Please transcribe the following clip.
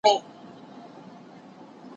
الوتونکي په ونو کې سندرې وایي.